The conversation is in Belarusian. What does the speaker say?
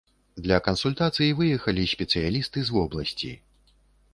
Для кансультацый выехалі спецыялісты з вобласці.